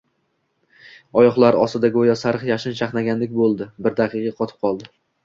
Oyoqlari ostida go‘yo sariq yashin chaqnagandek bo‘ldi, bir daqiqa qotib qoldi.